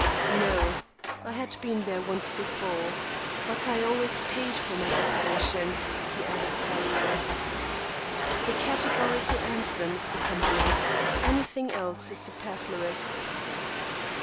"No; I had been there once before. But I always paid for my depredations," he added, proudly. "The categorical answer, Mr. Cumberland. Anything else is superfluous."